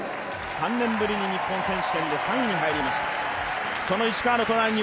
３年ぶりに日本選手権で３位に入りました。